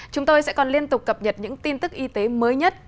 chúng tôi sẽ còn liên tục cập nhật những tin tức y tế mới nhất